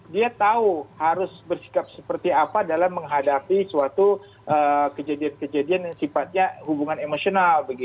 dia tahu harus bersikap seperti apa dalam menghadapi suatu kejadian kejadian yang sifatnya hubungan emosional